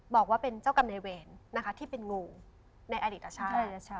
บอกว่าเป็นเจ้ากรรมในเวรนะคะที่เป็นงูในอดีตชาติ